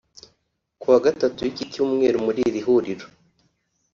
Kuwa Gatatu w’iki cyumweru muri iri huriro